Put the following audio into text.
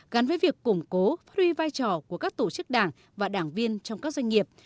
gắn với việc củng cố phát huy vai trò của các tổ chức đảng và đảng viên trong các doanh nghiệp